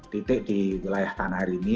titik di wilayah tanah air ini